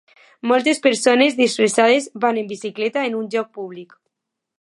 Moltes persones disfressades van en bicicleta en un lloc públic